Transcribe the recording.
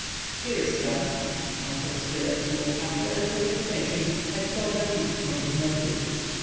"Here is some," answered Spilett, who, after a little hesitation, had torn a leaf from his note book.